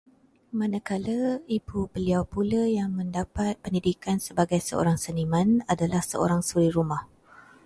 Manakala ibu beliau pula yang mendapat pendidikan sebagai seorang seniman, adalah seorang suri rumah